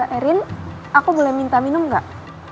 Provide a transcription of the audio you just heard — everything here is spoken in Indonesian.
erin aku boleh minta minum gak